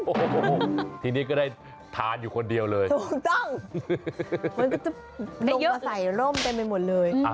โอ้โหทีนี้ก็ได้ทานอยู่คนเดียวเลยถูกต้องมันก็จะได้เยอะใส่ร่มเต็มไปหมดเลย